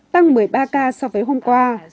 tăng một mươi ba ca so với hôm qua